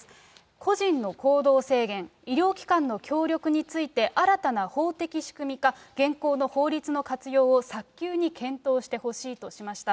個人の行動制限、医療機関の協力について、新たな法的仕組みか現行の法律の活用を早急に検討してほしいとしました。